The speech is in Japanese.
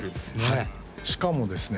はいしかもですね